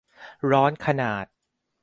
ร้อนขนาด